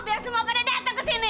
biar semua pada datang ke sini